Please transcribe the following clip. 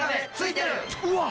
うわっ！